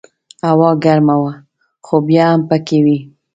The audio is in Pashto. هوا ګرمه وه خو بیا هم پکې وې.